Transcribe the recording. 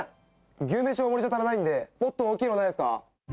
牛めし大盛りじゃ足らないんで、もっと大きいのないですか？